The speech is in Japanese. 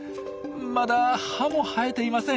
まだ歯も生えていません。